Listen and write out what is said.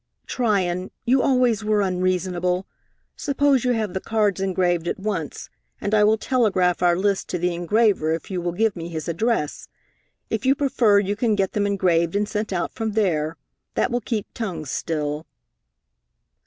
"Tryon, you always were unreasonable. Suppose you have the cards engraved at once, and I will telegraph our list to the engraver if you will give me his address. If you prefer, you can get them engraved and sent out from there. That will keep tongues still."